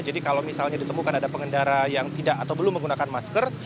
jadi kalau misalnya ditemukan ada pengendara yang tidak atau belum menggunakan masker